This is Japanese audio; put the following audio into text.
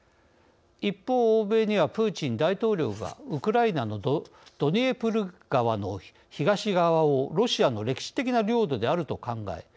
一方欧米にはプーチン大統領がウクライナのドニエプル川の東側をロシアの歴史的な領土であると考え